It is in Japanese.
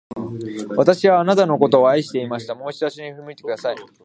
私はあなたのことを愛していました。もう一度、私に振り向いてください。